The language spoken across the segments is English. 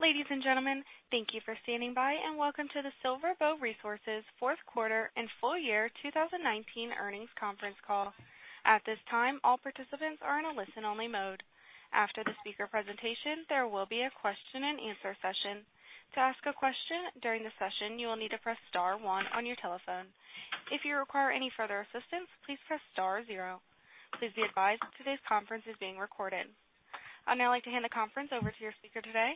Ladies and gentlemen, thank you for standing by, and welcome to the SilverBow Resources fourth quarter and full year 2019 earnings conference call. At this time, all participants are in a listen-only mode. After the speaker presentation, there will be a question-and-answer session. To ask a question during the session, you will need to press star one on your telephone. If you require any further assistance, please press star zero. Please be advised, today's conference is being recorded. I'd now like to hand the conference over to your speaker today,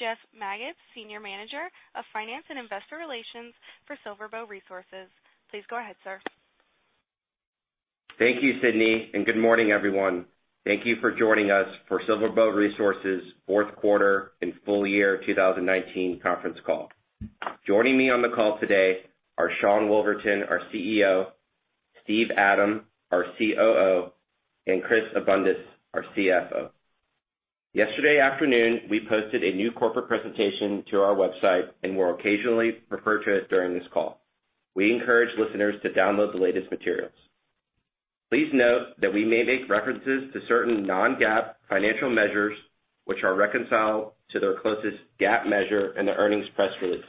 Jeff Magids, Senior Manager of Finance and Investor Relations for SilverBow Resources. Please go ahead, sir. Thank you, Sydney, and good morning, everyone. Thank you for joining us for SilverBow Resources' fourth quarter and full year 2019 conference call. Joining me on the call today are Sean Woolverton, our CEO, Steve Adam, our COO, and Chris Abundis, our CFO. Yesterday afternoon, we posted a new corporate presentation to our website, and we'll occasionally refer to it during this call. We encourage listeners to download the latest materials. Please note that we may make references to certain non-GAAP financial measures, which are reconciled to their closest GAAP measure in the earnings press release.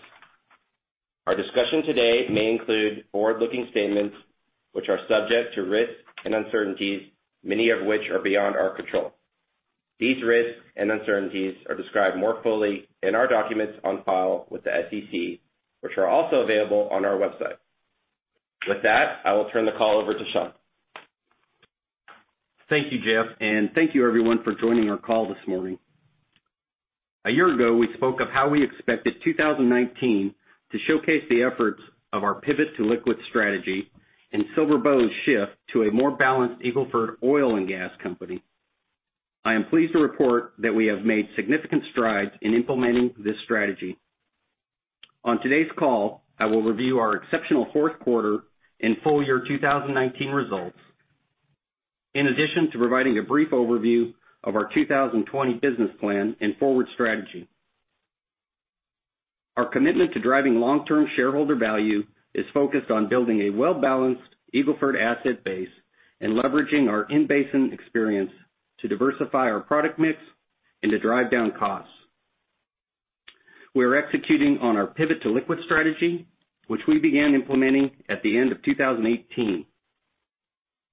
Our discussion today may include forward-looking statements, which are subject to risks and uncertainties, many of which are beyond our control. These risks and uncertainties are described more fully in our documents on file with the SEC, which are also available on our website. With that, I will turn the call over to Sean. Thank you, Jeff, and thank you everyone for joining our call this morning. A year ago, we spoke of how we expected 2019 to showcase the efforts of our pivot to liquids strategy and SilverBow Resources' shift to a more balanced Eagle Ford oil and gas company. I am pleased to report that we have made significant strides in implementing this strategy. On today's call, I will review our exceptional fourth quarter and full year 2019 results, in addition to providing a brief overview of our 2020 business plan and forward strategy. Our commitment to driving long-term shareholder value is focused on building a well-balanced Eagle Ford asset base and leveraging our in-basin experience to diversify our product mix and to drive down costs. We are executing on our pivot to liquids strategy, which we began implementing at the end of 2018.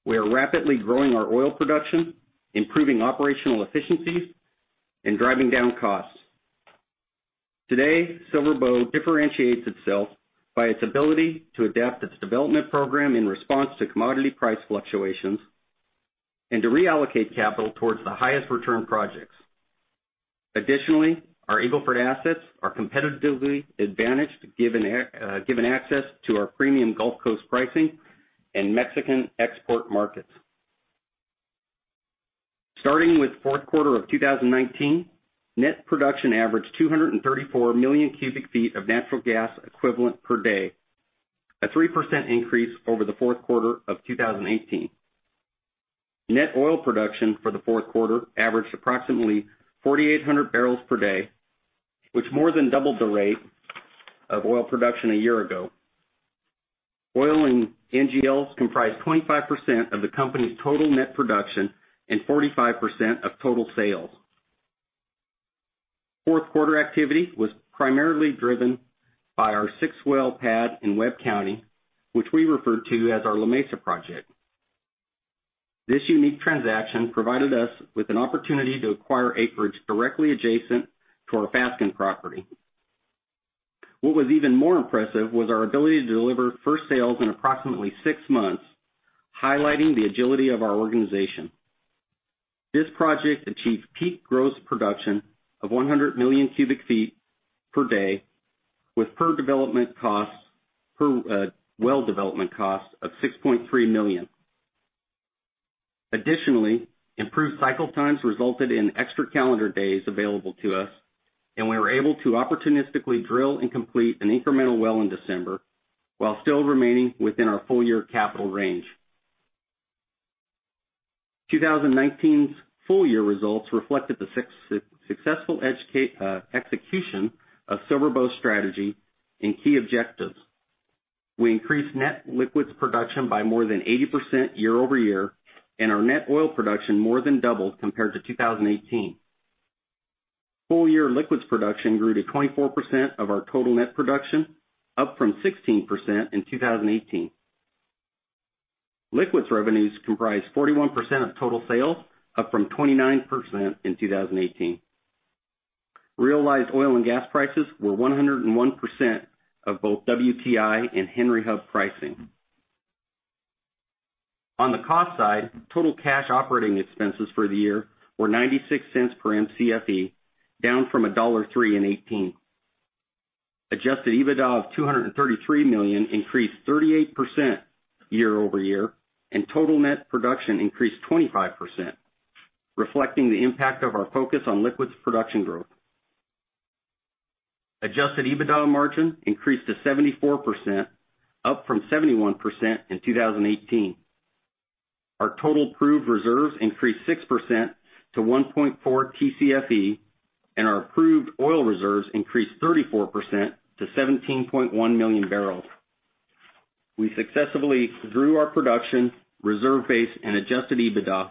We are rapidly growing our oil production, improving operational efficiencies, and driving down costs. Today, SilverBow differentiates itself by its ability to adapt its development program in response to commodity price fluctuations and to reallocate capital towards the highest return projects. Additionally, our Eagle Ford assets are competitively advantaged, given access to our premium Gulf Coast pricing and Mexican export markets. Starting with the fourth quarter of 2019, net production averaged 234 million cubic feet of natural gas equivalent per day, a 3% increase over the fourth quarter of 2018. Net oil production for the fourth quarter averaged approximately 4,800 bpd, which more than doubled the rate of oil production a year ago. Oil and NGLs comprised 25% of the company's total net production and 45% of total sales. Fourth quarter activity was primarily driven by our six-well pad in Webb County, which we refer to as our La Mesa project. This unique transaction provided us with an opportunity to acquire acreage directly adjacent to our Fasken property. What was even more impressive was our ability to deliver first sales in approximately six months, highlighting the agility of our organization. This project achieved peak gross production of 100 million cubic feet per day with well development costs of $6.3 million. Additionally, improved cycle times resulted in extra calendar days available to us, and we were able to opportunistically drill and complete an incremental well in December while still remaining within our full-year capital range. 2019's full-year results reflected the successful execution of SilverBow's strategy and key objectives. We increased net liquids production by more than 80% year-over-year, and our net oil production more than doubled compared to 2018. Full-year liquids production grew to 24% of our total net production, up from 16% in 2018. Liquids revenues comprised 41% of total sales, up from 29% in 2018. Realized oil and gas prices were 101% of both WTI and Henry Hub pricing. On the cost side, total cash operating expenses for the year were $0.96 per Mcfe, down from $1.03 in 2018. Adjusted EBITDA of $233 million increased 38% year-over-year, and total net production increased 25%, reflecting the impact of our focus on liquids production growth. Adjusted EBITDA margin increased to 74%, up from 71% in 2018. Our total proved reserves increased 6% to 1.4 TCFE, and our proved oil reserves increased 34% to 17.1 million barrels. We successfully grew our production, reserve base, and adjusted EBITDA,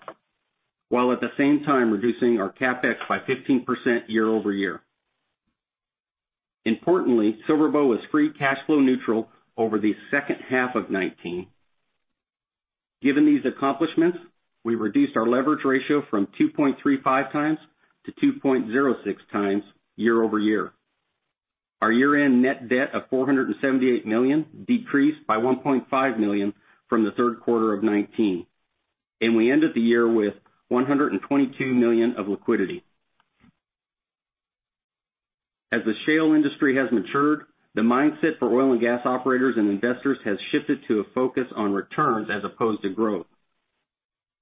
while at the same time reducing our CapEx by 15% year-over-year. Importantly, SilverBow was free cash flow neutral over the second half of 2019. Given these accomplishments, we reduced our leverage ratio from 2.35x-2.06x year-over-year. Our year-end net debt of $478 million decreased by $1.5 million from the third quarter of 2019. We ended the year with $122 million of liquidity. As the shale industry has matured, the mindset for oil and gas operators and investors has shifted to a focus on returns as opposed to growth.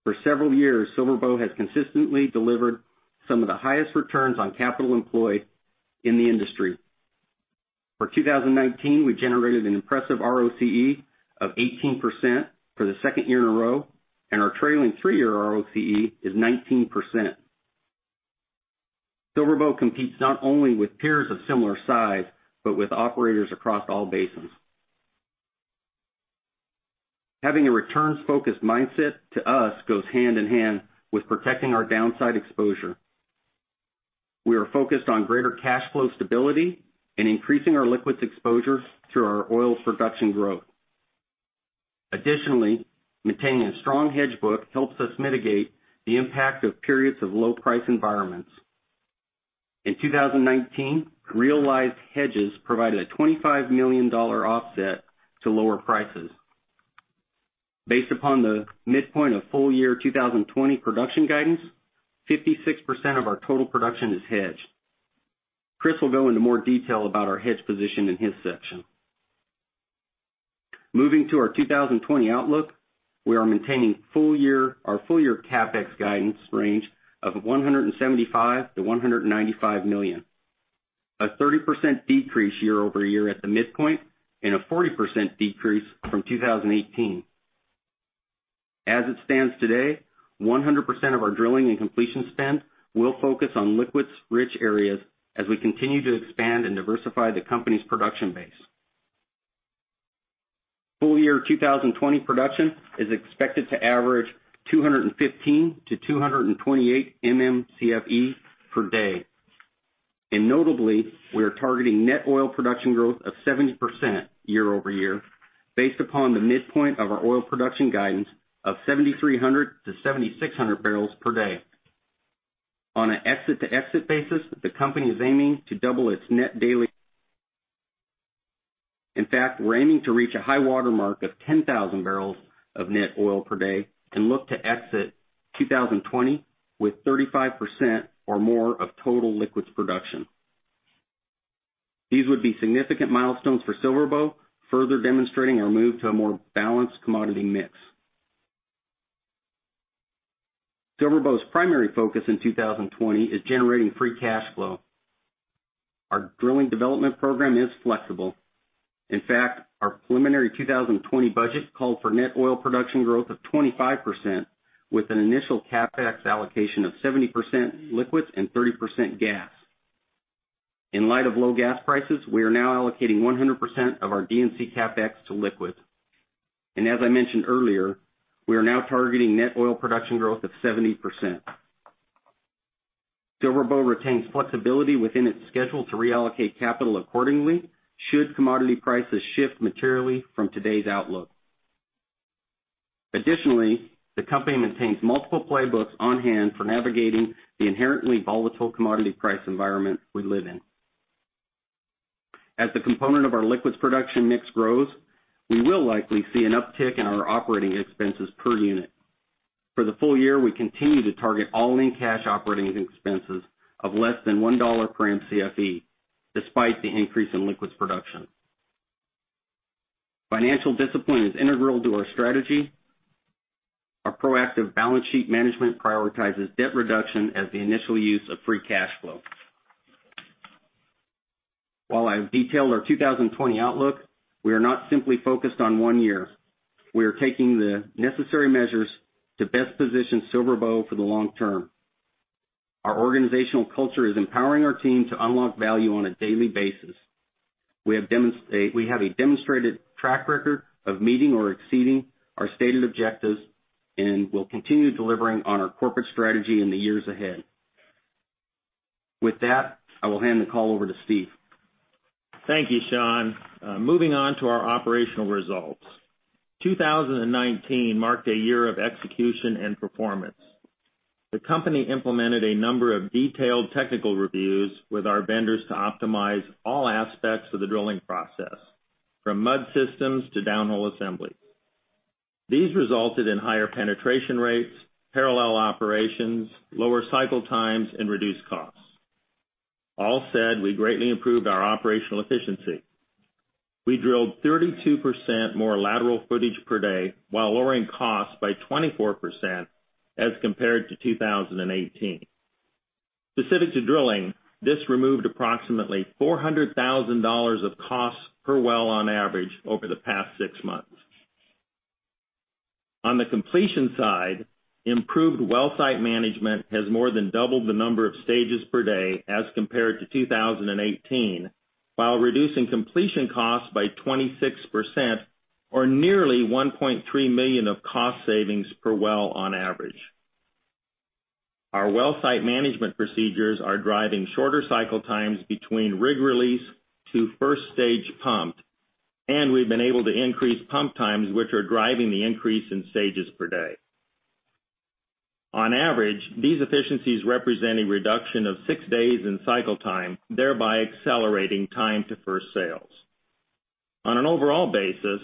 For several years, SilverBow has consistently delivered some of the highest returns on capital employed in the industry. For 2019, we generated an impressive ROCE of 18% for the second year in a row, and our trailing three-year ROCE is 19%. SilverBow Resources competes not only with peers of similar size, but with operators across all basins. Having a returns-focused mindset, to us, goes hand-in-hand with protecting our downside exposure. We are focused on greater cash flow stability and increasing our liquids exposure through our oil production growth. Maintaining a strong hedge book helps us mitigate the impact of periods of low price environments. In 2019, realized hedges provided a $25 million offset to lower prices. Based upon the midpoint of full year 2020 production guidance, 56% of our total production is hedged. Chris will go into more detail about our hedge position in his section. Moving to our 2020 outlook, we are maintaining our full-year CapEx guidance range of $175 million-$195 million, a 30% decrease year-over-year at the midpoint, and a 40% decrease from 2018. As it stands today, 100% of our drilling and completion spend will focus on liquids-rich areas as we continue to expand and diversify the company's production base. Full year 2020 production is expected to average 215-228 MMcfe per day. Notably, we are targeting net oil production growth of 70% year-over-year based upon the midpoint of our oil production guidance of 7,300-7,600 bpd. On an exit-to-exit basis, the company is aiming to double its net daily. In fact, we're aiming to reach a high water mark of 10,000 bbl of net oil per day and look to exit 2020 with 35% or more of total liquids production. These would be significant milestones for SilverBow, further demonstrating our move to a more balanced commodity mix. SilverBow's primary focus in 2020 is generating free cash flow. Our drilling development program is flexible. Our preliminary 2020 budget called for net oil production growth of 25%, with an initial CapEx allocation of 70% liquids and 30% gas. In light of low gas prices, we are now allocating 100% of our D&C CapEx to liquids. As I mentioned earlier, we are now targeting net oil production growth of 70%. SilverBow retains flexibility within its schedule to reallocate capital accordingly should commodity prices shift materially from today's outlook. Additionally, the company maintains multiple playbooks on-hand for navigating the inherently volatile commodity price environment we live in. As the component of our liquids production mix grows, we will likely see an uptick in our operating expenses per unit. For the full year, we continue to target all-in cash operating expenses of less than $1 per Mcfe despite the increase in liquids production. Financial discipline is integral to our strategy. Our proactive balance sheet management prioritizes debt reduction as the initial use of free cash flow. While I've detailed our 2020 outlook, we are not simply focused on one year. We are taking the necessary measures to best position SilverBow for the long term. Our organizational culture is empowering our team to unlock value on a daily basis. We have a demonstrated track record of meeting or exceeding our stated objectives, and we'll continue delivering on our corporate strategy in the years ahead. With that, I will hand the call over to Steve. Thank you, Sean. Moving on to our operational results. 2019 marked a year of execution and performance. The company implemented a number of detailed technical reviews with our vendors to optimize all aspects of the drilling process, from mud systems to downhole assemblies. These resulted in higher penetration rates, parallel operations, lower cycle times, and reduced costs. All said, we greatly improved our operational efficiency. We drilled 32% more lateral footage per day while lowering costs by 24% as compared to 2018. Specific to drilling, this removed approximately $400,000 of costs per well on average over the past six months. On the completion side, improved well site management has more than doubled the number of stages per day as compared to 2018, while reducing completion costs by 26%, or nearly $1.3 million of cost savings per well on average. Our well site management procedures are driving shorter cycle times between rig release to first stage pumped, and we've been able to increase pump times, which are driving the increase in stages per day. On average, these efficiencies represent a reduction of six days in cycle time, thereby accelerating time to first sales. On an overall basis,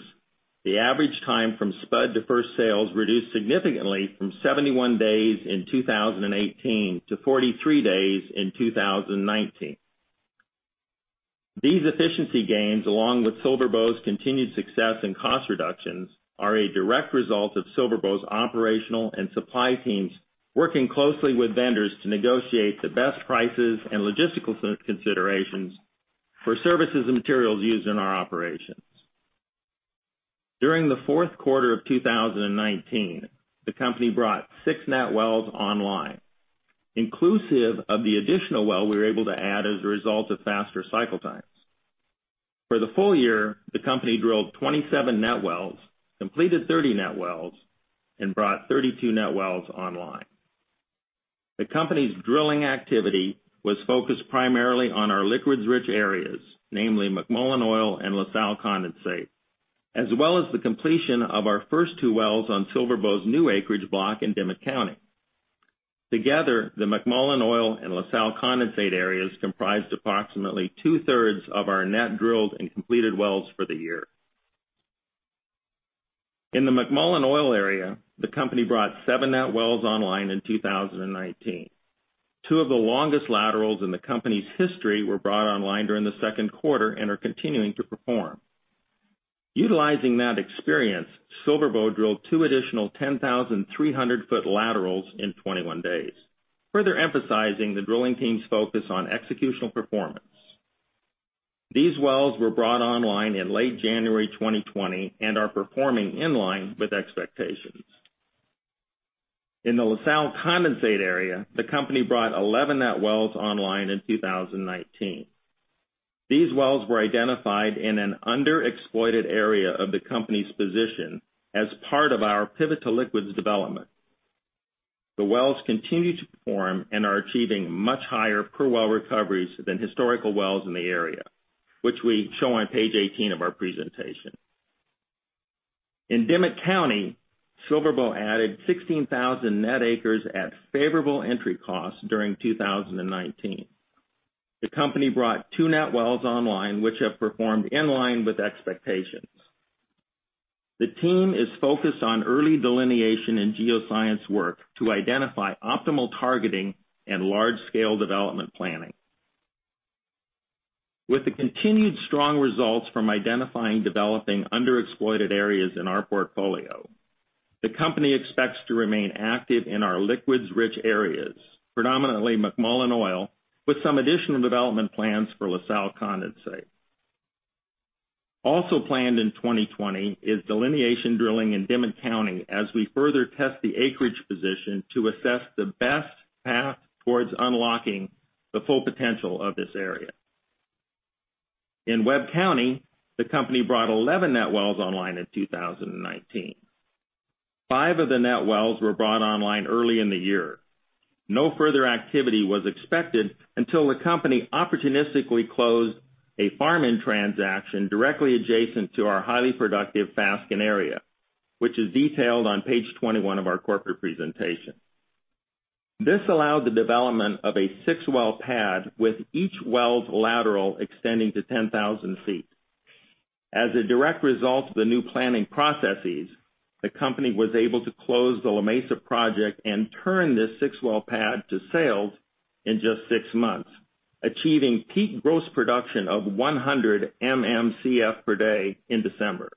the average time from spud to first sales reduced significantly from 71 days in 2018 to 43 days in 2019. These efficiency gains, along with SilverBow Resources' continued success in cost reductions, are a direct result of SilverBow Resources' operational and supply teams working closely with vendors to negotiate the best prices and logistical considerations for services and materials used in our operations. During the fourth quarter of 2019, the company brought six net wells online, inclusive of the additional well we were able to add as a result of faster cycle times. For the full year, the company drilled 27 net wells, completed 30 net wells, and brought 32 net wells online. The company's drilling activity was focused primarily on our liquids-rich areas, namely McMullen Oil and La Salle Condensate, as well as the completion of our first two wells on SilverBow's new acreage block in Dimmit County. Together, the McMullen Oil and La Salle Condensate areas comprised approximately two-thirds of our net drilled and completed wells for the year. In the McMullen Oil area, the company brought seven net wells online in 2019. Two of the longest laterals in the company's history were brought online during the second quarter and are continuing to perform. Utilizing that experience, SilverBow drilled two additional 10,300 ft laterals in 21 days, further emphasizing the drilling team's focus on executional performance. These wells were brought online in late January 2020 and are performing in line with expectations. In the La Salle Condensate area, the company brought 11 net wells online in 2019. These wells were identified in an underexploited area of the company's position as part of our pivot to liquids development. The wells continue to perform and are achieving much higher per-well recoveries than historical wells in the area, which we show on page 18 of our presentation. In Dimmit County, SilverBow added 16,000 net acres at favorable entry costs during 2019. The company brought two net wells online, which have performed in line with expectations. The team is focused on early delineation and geoscience work to identify optimal targeting and large-scale development planning. With the continued strong results from identifying developing underexploited areas in our portfolio, the company expects to remain active in our liquids-rich areas, predominantly McMullen Oil, with some additional development plans for La Salle Condensate. Also planned in 2020 is delineation drilling in Dimmit County as we further test the acreage position to assess the best path towards unlocking the full potential of this area. In Webb County, the company brought 11 net wells online in 2019. Five of the net wells were brought online early in the year. No further activity was expected until the company opportunistically closed a farm-in transaction directly adjacent to our highly productive Fasken area, which is detailed on page 21 of our corporate presentation. This allowed the development of a six-well pad with each well's lateral extending to 10,000 feet. As a direct result of the new planning processes, the company was able to close the La Mesa project and turn this six-well pad to sales in just six months, achieving peak gross production of 100 MMcfe per day in December.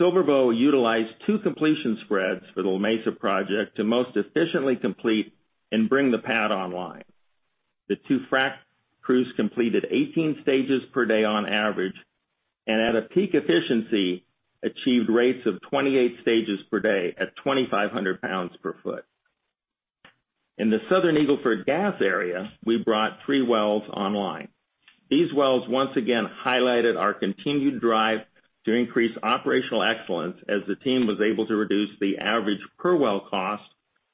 SilverBow utilized two completion spreads for the La Mesa project to most efficiently complete and bring the pad online. The two frack crews completed 18 stages per day on average, and at a peak efficiency, achieved rates of 28 stages per day at 2,500 lb/ft. In the southern Eagle Ford Gas area, we brought three wells online. These wells once again highlighted our continued drive to increase operational excellence as the team was able to reduce the average per-well cost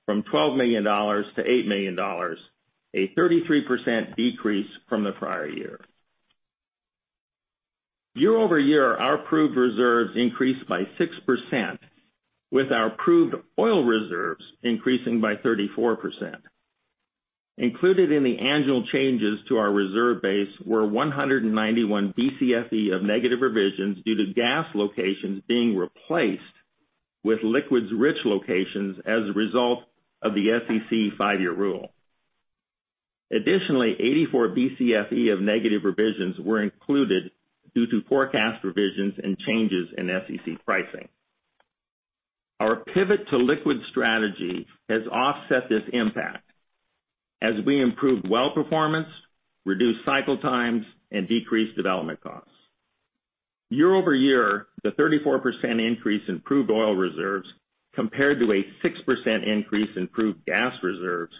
from $12 million-$8 million, a 33% decrease from the prior year. Year-over-year, our proved reserves increased by 6%, with our proved oil reserves increasing by 34%. Included in the annual changes to our reserve base were 191 Bcfe of negative revisions due to gas locations being replaced with liquids-rich locations as a result of the SEC five-year rule. Additionally, 84 Bcfe of negative revisions were included due to forecast revisions and changes in SEC pricing. Our pivot to liquid strategy has offset this impact. As we improve well performance, reduce cycle times, and decrease development costs. Year-over-year, the 34% increase in proved oil reserves compared to a 6% increase in proved gas reserves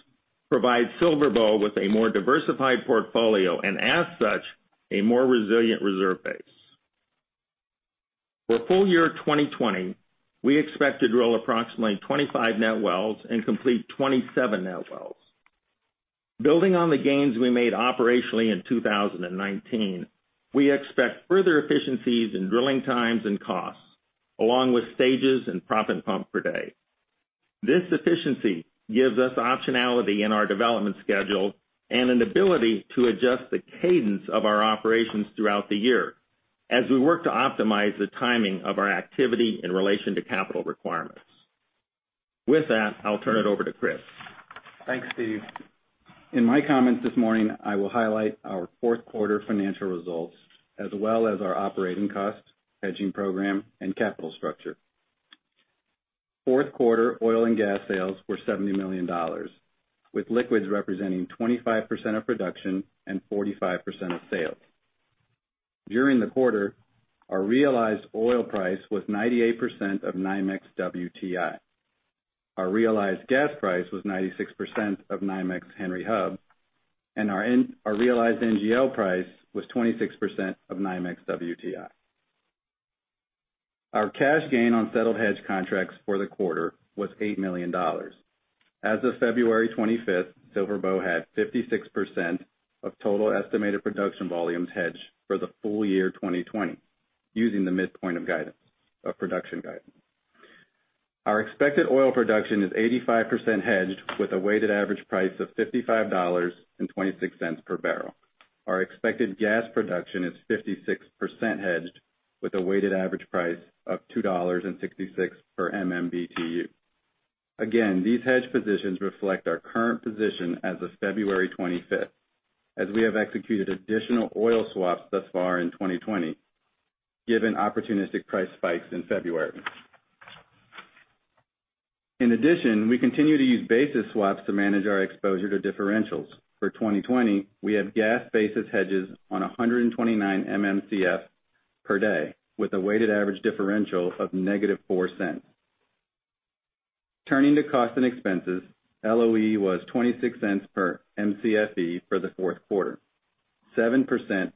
provides SilverBow with a more diversified portfolio, and as such, a more resilient reserve base. For full year 2020, we expect to drill approximately 25 net wells and complete 27 net wells. Building on the gains we made operationally in 2019, we expect further efficiencies in drilling times and costs, along with stages and proppant pump per day. This efficiency gives us optionality in our development schedule and an ability to adjust the cadence of our operations throughout the year, as we work to optimize the timing of our activity in relation to capital requirements. With that, I'll turn it over to Chris. Thanks, Steve. In my comments this morning, I will highlight our fourth quarter financial results, as well as our operating costs, hedging program, and capital structure. Fourth quarter oil and gas sales were $70 million, with liquids representing 25% of production and 45% of sales. During the quarter, our realized oil price was 98% of NYMEX WTI. Our realized gas price was 96% of NYMEX Henry Hub, and our realized NGL price was 26% of NYMEX WTI. Our cash gain on settled hedge contracts for the quarter was $8 million. As of February 25th, SilverBow had 56% of total estimated production volumes hedged for the full year 2020, using the midpoint of production guidance. Our expected oil production is 85% hedged with a weighted average price of $55.26 per barrel. Our expected gas production is 56% hedged with a weighted average price of $2.66 per MMBtu. Again, these hedge positions reflect our current position as of February 25th, as we have executed additional oil swaps thus far in 2020, given opportunistic price spikes in February. In addition, we continue to use basis swaps to manage our exposure to differentials. For 2020, we have gas basis hedges on 129 MMcfe per day, with a weighted average differential of negative $0.04. Turning to cost and expenses, LOE was $0.26 per Mcfe for the fourth quarter, 7%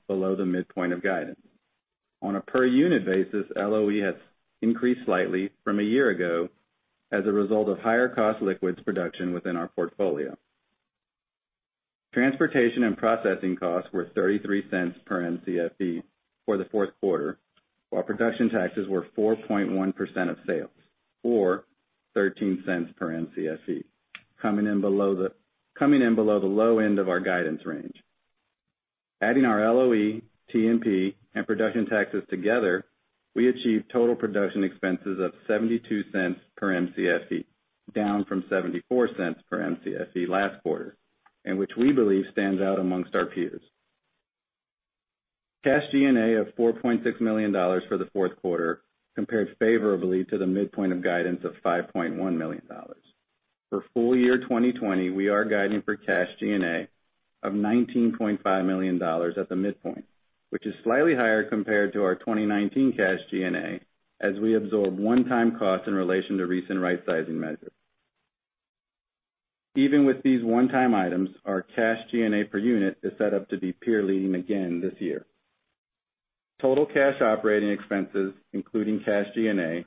below the midpoint of guidance. On a per-unit basis, LOE has increased slightly from a year ago as a result of higher-cost liquids production within our portfolio. Transportation and processing costs were $0.33 per Mcfe for the fourth quarter, while production taxes were 4.1% of sales, or $0.13 per Mcfe, coming in below the low end of our guidance range. Adding our LOE, T&P, and production taxes together, we achieved total production expenses of $0.72 per Mcfe, down from $0.74 per Mcfe last quarter, and which we believe stands out amongst our peers. Cash G&A of $4.6 million for the fourth quarter compares favorably to the midpoint of guidance of $5.1 million. For full year 2020, we are guiding for cash G&A of $19.5 million at the midpoint, which is slightly higher compared to our 2019 cash G&A, as we absorb one-time costs in relation to recent rightsizing measures. Even with these one-time items, our cash G&A per unit is set up to be peer leading again this year. Total cash operating expenses, including cash G&A,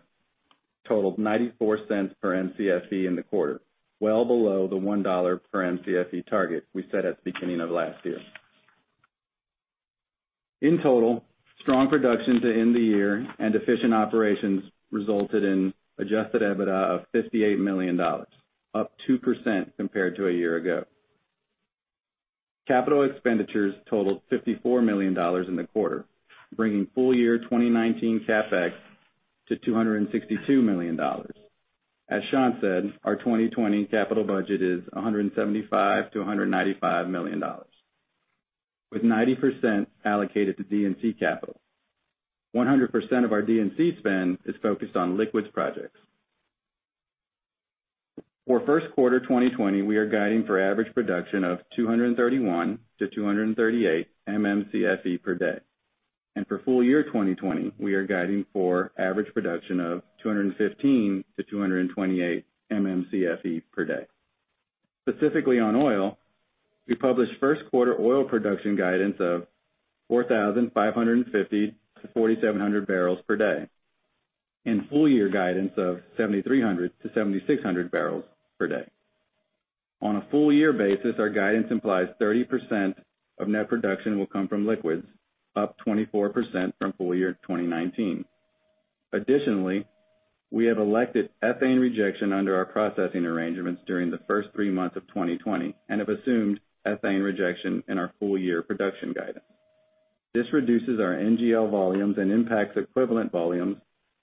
totaled $0.94 per Mcfe in the quarter, well below the $1 per Mcfe target we set at the beginning of last year. In total, strong production to end the year and efficient operations resulted in adjusted EBITDA of $58 million, up 2% compared to a year ago. Capital expenditures totaled $54 million in the quarter, bringing full year 2019 CapEx to $262 million. As Sean said, our 2020 capital budget is $175 million-$195 million, with 90% allocated to D&C capital. 100% of our D&C spend is focused on liquids projects. For first quarter 2020, we are guiding for average production of 231-238 MMcfe per day. For full year 2020, we are guiding for average production of 215-228 MMcfe per day. Specifically on oil, we published first quarter oil production guidance of 4,550-4,700 bpd, and full-year guidance of 7,300-7,600 bpd. On a full year basis, our guidance implies 30% of net production will come from liquids, up 24% from full year 2019. Additionally, we have elected ethane rejection under our processing arrangements during the first three months of 2020, and have assumed ethane rejection in our full year production guidance. This reduces our NGL volumes and impacts equivalent volumes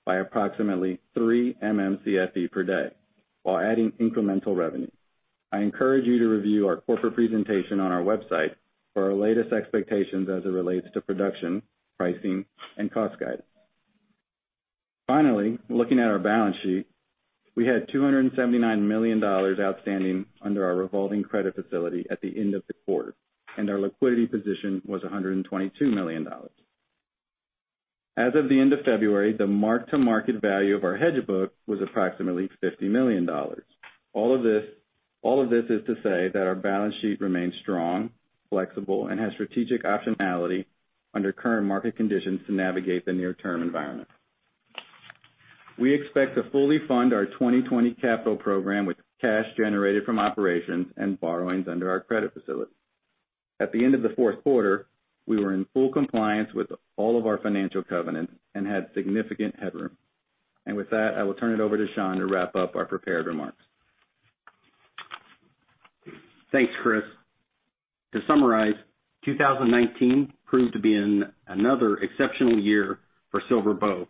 by approximately 3 MMcfe per day, while adding incremental revenue. I encourage you to review our corporate presentation on our website for our latest expectations as it relates to production, pricing, and cost guidance. Finally, looking at our balance sheet, we had $279 million outstanding under our revolving credit facility at the end of the quarter, and our liquidity position was $122 million. As of the end of February, the mark-to-market value of our hedge book was approximately $50 million. All of this is to say that our balance sheet remains strong, flexible, and has strategic optionality under current market conditions to navigate the near-term environment. We expect to fully fund our 2020 capital program with cash generated from operations and borrowings under our credit facility. At the end of the fourth quarter, we were in full compliance with all of our financial covenants and had significant headroom. With that, I will turn it over to Sean to wrap up our prepared remarks. Thanks, Chris. To summarize, 2019 proved to be another exceptional year for SilverBow.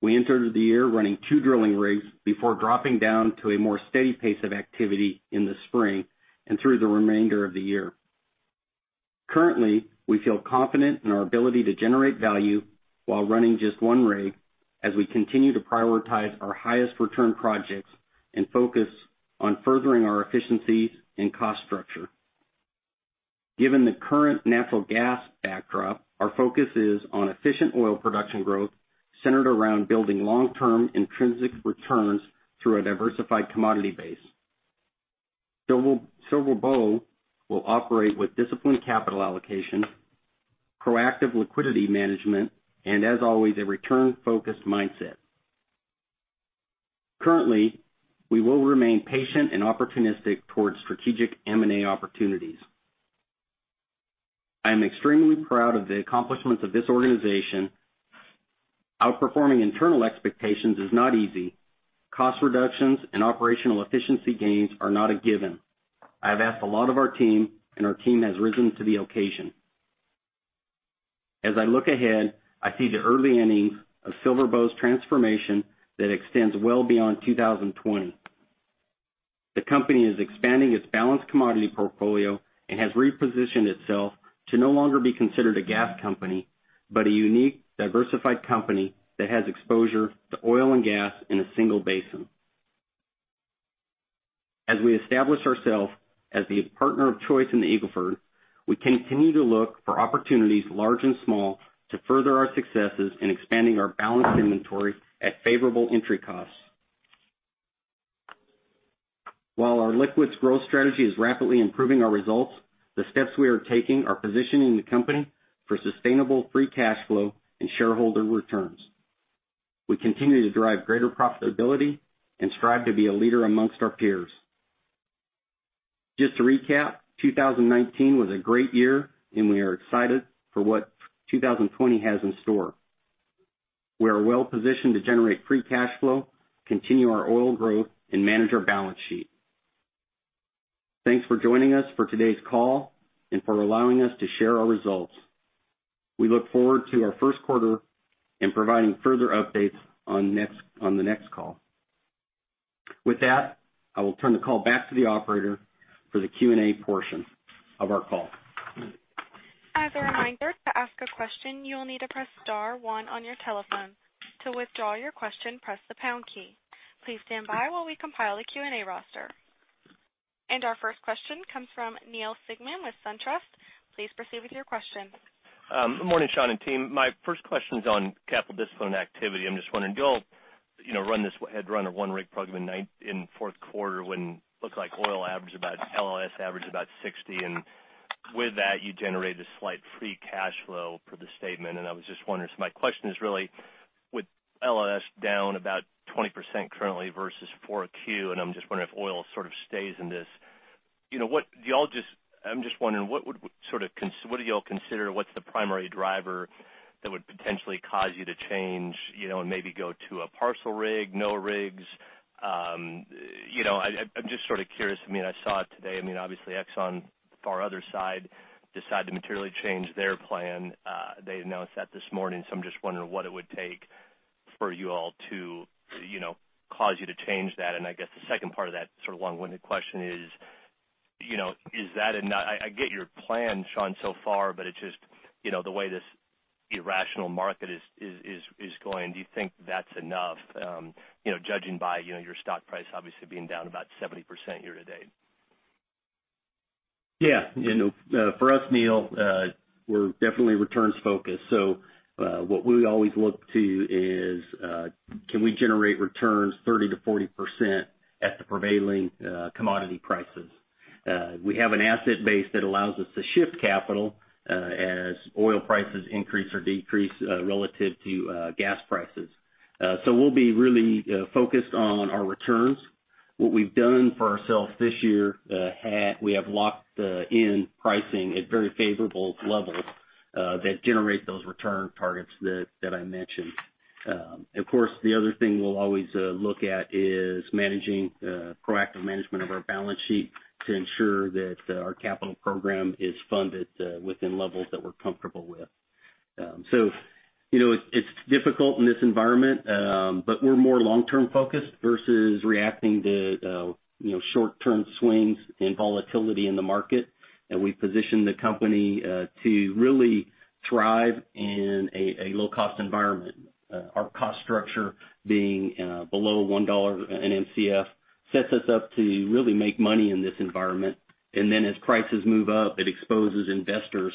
We entered the year running two drilling rigs before dropping down to a more steady pace of activity in the spring and through the remainder of the year. Currently, we feel confident in our ability to generate value while running just one rig as we continue to prioritize our highest return projects and focus on furthering our efficiencies and cost structure. Given the current natural gas backdrop, our focus is on efficient oil production growth centered around building long-term intrinsic returns through a diversified commodity base. SilverBow will operate with disciplined capital allocation, proactive liquidity management, and as always, a return-focused mindset. Currently, we will remain patient and opportunistic towards strategic M&A opportunities. I am extremely proud of the accomplishments of this organization. Outperforming internal expectations is not easy. Cost reductions and operational efficiency gains are not a given. I have asked a lot of our team, and our team has risen to the occasion. As I look ahead, I see the early innings of SilverBow's transformation that extends well beyond 2020. The company is expanding its balanced commodity portfolio and has repositioned itself to no longer be considered a gas company, but a unique, diversified company that has exposure to oil and gas in a single basin. As we establish ourselves as the partner of choice in the Eagle Ford, we continue to look for opportunities large and small to further our successes in expanding our balanced inventory at favorable entry costs. While our liquids growth strategy is rapidly improving our results, the steps we are taking are positioning the company for sustainable free cash flow and shareholder returns. We continue to drive greater profitability and strive to be a leader amongst our peers. Just to recap, 2019 was a great year, and we are excited for what 2020 has in store. We are well-positioned to generate free cash flow, continue our oil growth, and manage our balance sheet. Thanks for joining us for today's call and for allowing us to share our results. We look forward to our first quarter and providing further updates on the next call. With that, I will turn the call back to the operator for the Q&A portion of our call. As a reminder, to ask a question, you will need to press star one on your telephone. To withdraw your question, press the pound key. Please stand by while we compile a Q&A roster. Our first question comes from Neal Dingmann with SunTrust. Please proceed with your question. Morning, Sean and team. My first question's on capital discipline activity. I'm just wondering, do y'all run this one-rig program in fourth quarter when looks like oil average about LLS average about $60. With that, you generated a slight free cash flow per the statement. I'm just wondering, my question is really with LLS down about 20% currently versus 4Q, and I'm just wondering if oil sort of stays in this. I'm just wondering, what do y'all consider what's the primary driver that would potentially cause you to change, and maybe go to a partial rig, no rigs? I'm just sort of curious. I saw it today. Obviously, Exxon far other side decided to materially change their plan. They announced that this morning. I'm just wondering what it would take for you all to cause you to change that. I guess the second part of that sort of long-winded question is, I get your plan, Sean, so far, but it's just the way this irrational market is going. Do you think that's enough, judging by your stock price obviously being down about 70% year-to-date? Yeah. For us, Neal, we're definitely returns focused. What we always look to is, can we generate returns 30%-40% at the prevailing commodity prices? We have an asset base that allows us to shift capital as oil prices increase or decrease relative to gas prices. We'll be really focused on our returns. What we've done for ourselves this year, we have locked in pricing at very favorable levels that generate those return targets that I mentioned. Of course, the other thing we'll always look at is proactive management of our balance sheet to ensure that our capital program is funded within levels that we're comfortable with. It's difficult in this environment. We're more long-term focused versus reacting to short-term swings and volatility in the market. We position the company to really thrive in a low-cost environment. Our cost structure being below $1 an MCF sets us up to really make money in this environment. As prices move up, it exposes investors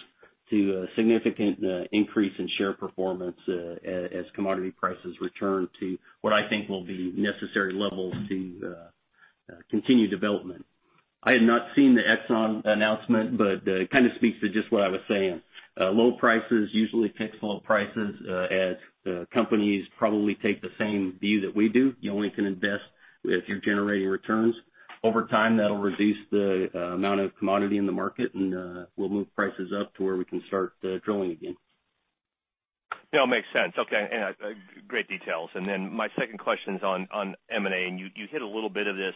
to a significant increase in share performance, as commodity prices return to what I think will be necessary levels to continue development. I had not seen the Exxon announcement, but it kind of speaks to just what I was saying. Low prices usually takes low prices, as companies probably take the same view that we do. You only can invest if you're generating returns. Over time, that'll reduce the amount of commodity in the market, and we'll move prices up to where we can start drilling again. No, makes sense. Okay. Great details. My second question's on M&A, and you hit a little bit of this.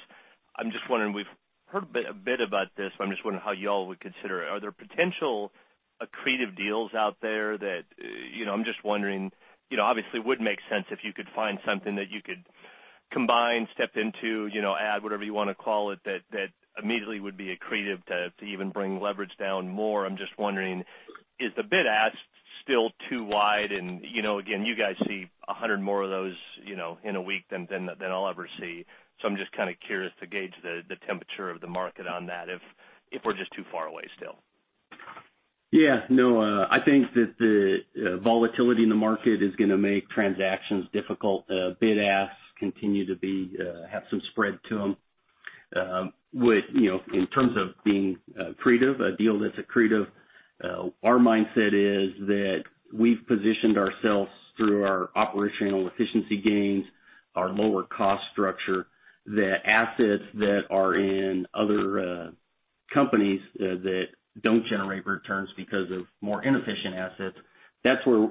I'm just wondering, we've heard a bit about this, but I'm just wondering how y'all would consider it. Are there potential accretive deals out there that I'm just wondering, obviously it would make sense if you could find something that you could combine, step into, add whatever you want to call it, that immediately would be accretive to even bring leverage down more. I'm just wondering, is the bid-ask still too wide? Again, you guys see 100 more of those in a week than I'll ever see. I'm just kind of curious to gauge the temperature of the market on that, if we're just too far away still. Yeah, no. I think that the volatility in the market is going to make transactions difficult. Bid-asks continue to have some spread to them. In terms of being accretive, a deal that's accretive, our mindset is that we've positioned ourselves through our operational efficiency gains, our lower cost structure, that assets that are in other companies that don't generate returns because of more inefficient assets, that's where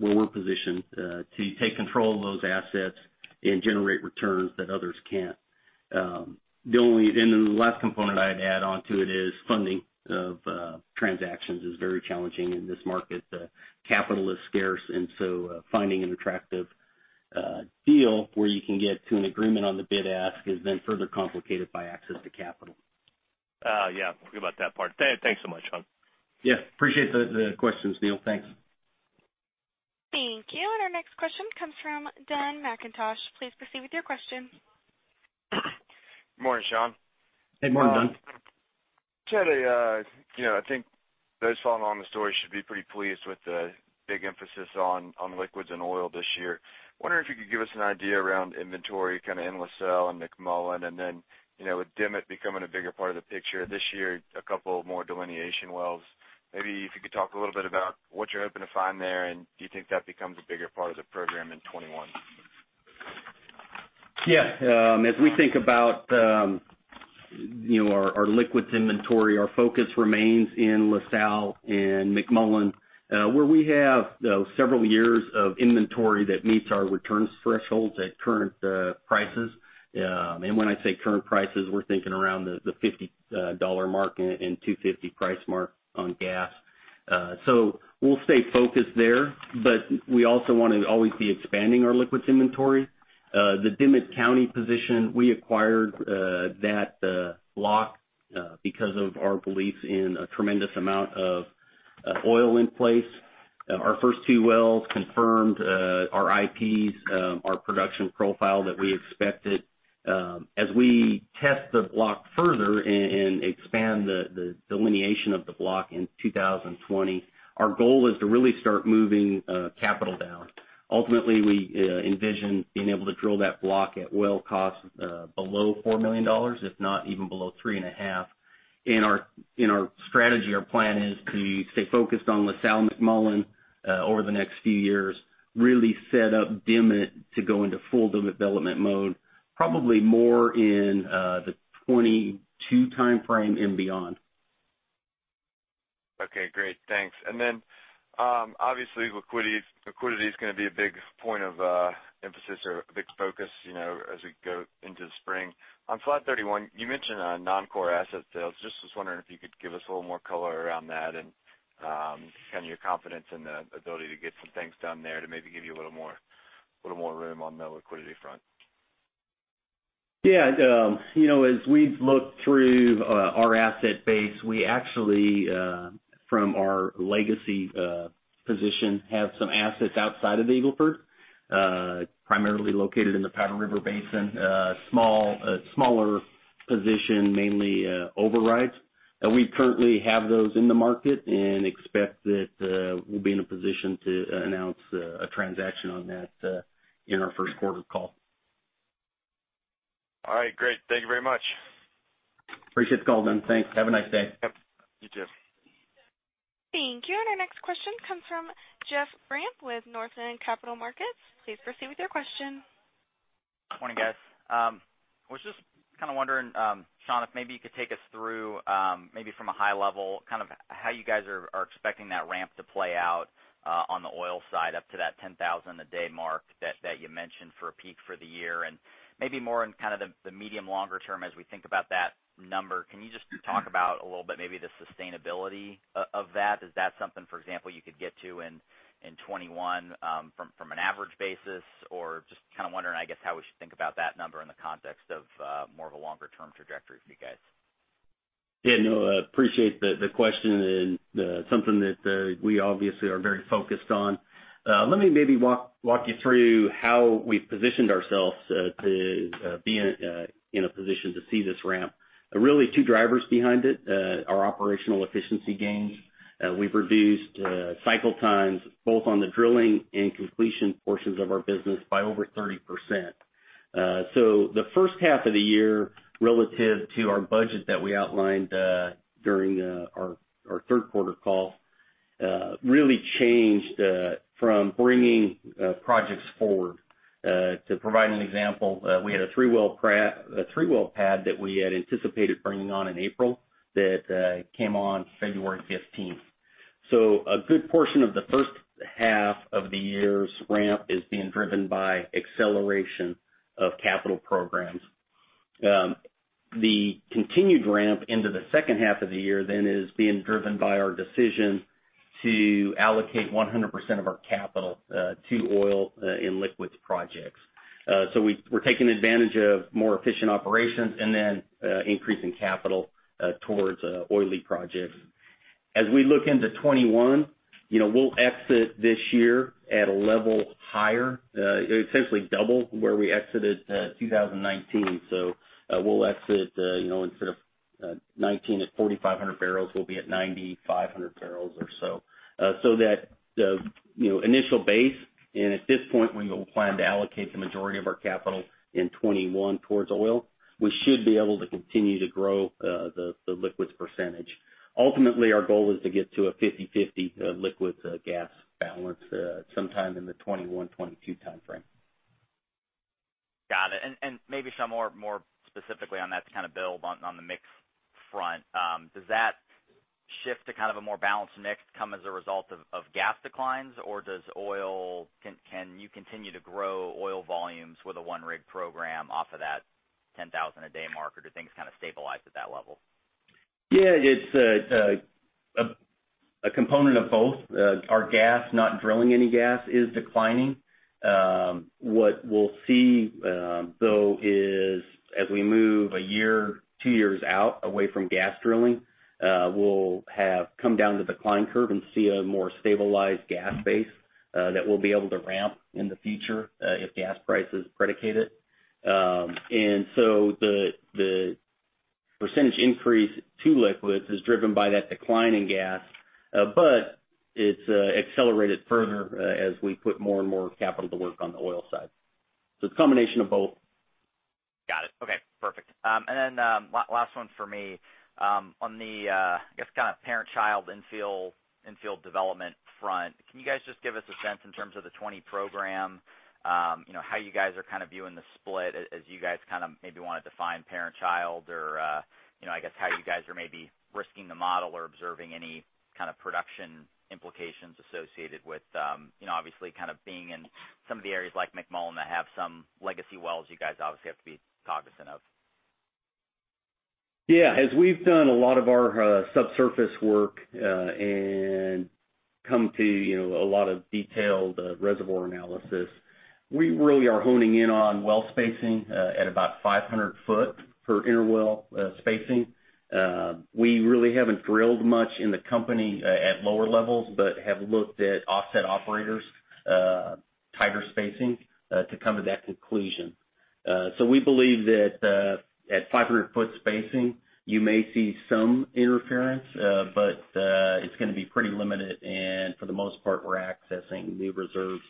we're positioned to take control of those assets and generate returns that others can't. The last component I'd add onto it is funding of transactions is very challenging in this market. Capital is scarce. Finding an attractive deal where you can get to an agreement on the bid-ask is then further complicated by access to capital. Yeah. Forget about that part. Thanks so much, Sean. Yeah. Appreciate the questions, Neal. Thanks. Thank you. Our next question comes from Dun McIntosh. Please proceed with your questions. Good morning, Sean. Hey, morning, Dun. I think those following the story should be pretty pleased with the big emphasis on liquids and oil this year. Wondering if you could give us an idea around inventory, kind of in La Salle and McMullen. With Dimmit becoming a bigger part of the picture this year, a couple more delineation wells. Maybe if you could talk a little bit about what you're hoping to find there, and do you think that becomes a bigger part of the program in 2021? Yeah. As we think about our liquids inventory, our focus remains in La Salle and McMullen, where we have several years of inventory that meets our returns thresholds at current prices. When I say current prices, we're thinking around the $50 mark and $2.50 price mark on gas. We'll stay focused there, but we also want to always be expanding our liquids inventory. The Dimmit County position, we acquired that block because of our belief in a tremendous amount of oil in place. Our first two wells confirmed our IPs, our production profile that we expected. As we test the block further and expand the delineation of the block in 2020, our goal is to really start moving capital down. Ultimately, we envision being able to drill that block at well cost below $4 million, if not even below $3.5 million. Our strategy, our plan is to stay focused on La Salle, McMullen, over the next few years. Really set up Dimmit to go into full development mode, probably more in the 2022 timeframe and beyond. Okay, great. Thanks. Obviously liquidity is going to be a big point of emphasis or a big focus as we go into the spring. On slide 31, you mentioned non-core asset sales. Just was wondering if you could give us a little more color around that and kind of your confidence in the ability to get some things done there to maybe give you a little more room on the liquidity front. Yeah. As we've looked through our asset base, we actually, from our legacy position, have some assets outside of the Eagle Ford. Primarily located in the Powder River Basin. A smaller position, mainly overrides. We currently have those in the market and expect that we'll be in a position to announce a transaction on that in our first quarter call. All right, great. Thank you very much. Appreciate the call, Dun. Thanks. Have a nice day. Yep. You too. Thank you. Our next question comes from Jeff Grampp with Northland Capital Markets. Please proceed with your question. Morning, guys. I was just kind of wondering, Sean, if maybe you could take us through, maybe from a high level, how you guys are expecting that ramp to play out on the oil side up to that 10,000 bpd mark that you mentioned for a peak for the year. Maybe more in kind of the medium, longer term as we think about that number, can you just talk about a little bit maybe the sustainability of that? Is that something, for example, you could get to in 2021 from an average basis? Just kind of wondering, I guess, how we should think about that number in the context of more of a longer-term trajectory for you guys. Yeah, no, I appreciate the question and something that we obviously are very focused on. Let me maybe walk you through how we've positioned ourselves to be in a position to see this ramp. Really two drivers behind it are operational efficiency gains. We've reduced cycle times both on the drilling and completion portions of our business by over 30%. The first half of the year, relative to our budget that we outlined during our third quarter call really changed from bringing projects forward. To provide an example, we had a three-well pad that we had anticipated bringing on in April that came on February 15th. A good portion of the first half of the year's ramp is being driven by acceleration of capital programs. The continued ramp into the second half of the year is being driven by our decision to allocate 100% of our capital to oil and liquids projects. We're taking advantage of more efficient operations increasing capital towards oily projects. As we look into 2021, we'll exit this year at a level higher, essentially double where we exited 2019. We'll exit, instead of 2019 at 4,500 bbl, we'll be at 9,500 bbl or so. That initial base, and at this point, we plan to allocate the majority of our capital in 2021 towards oil. We should be able to continue to grow the liquids percentage. Ultimately, our goal is to get to a 50/50 liquids gas balance sometime in the 2021, 2022 timeframe. Got it. Maybe, Sean, more specifically on that to kind of build on the mix front. Does that shift to kind of a more balanced mix come as a result of gas declines, or can you continue to grow oil volumes with a one-rig program off of that 10,000 bpd marker? Do things kind of stabilize at that level? Yeah, it's a component of both. Our gas, not drilling any gas, is declining. What we'll see, though, is as we move a year, two years out away from gas drilling, we'll have come down the decline curve and see a more stabilized gas base that we'll be able to ramp in the future, if gas prices predicate it. The percentage increase to liquids is driven by that decline in gas. It's accelerated further as we put more and more capital to work on the oil side. It's a combination of both. Got it. Okay, perfect. Then, last one for me. On the, I guess, kind of parent-child infield development front, can you guys just give us a sense in terms of the 2020 program, how you guys are kind of viewing the split as you guys kind of maybe want to define parent-child or, I guess how you guys are maybe risking the model or observing any kind of production implications associated with obviously kind of being in some of the areas like McMullen that have some legacy wells you guys obviously have to be cognizant of. Yeah. As we've done a lot of our subsurface work, and come to a lot of detailed reservoir analysis, we really are honing in on well spacing at about 500 ft per interwell spacing. We really haven't drilled much in the company at lower levels, have looked at offset operators' tighter spacing to come to that conclusion. We believe that at 500 ft spacing, you may see some interference, but it's going to be pretty limited, and for the most part, we're accessing new reserves.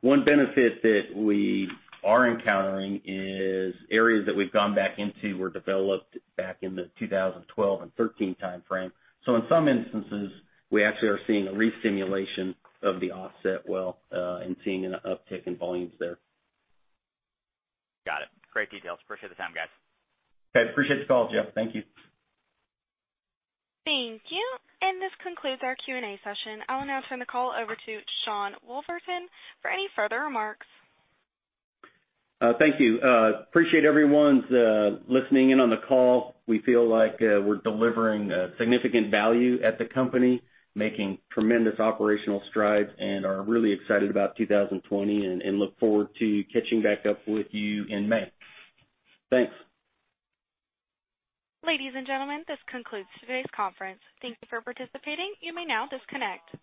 One benefit that we are encountering is areas that we've gone back into were developed back in the 2012 and 2013 timeframe. In some instances, we actually are seeing a restimulation of the offset well, and seeing an uptick in volumes there. Got it. Great details. Appreciate the time, guys. Okay. Appreciate the call, Jeff. Thank you. Thank you. This concludes our Q&A session. I will now turn the call over to Sean Woolverton for any further remarks. Thank you. Appreciate everyone's listening in on the call. We feel like we're delivering significant value at the company, making tremendous operational strides, and are really excited about 2020 and look forward to catching back up with you in May. Thanks. Ladies and gentlemen, this concludes today's conference. Thank you for participating. You may now disconnect.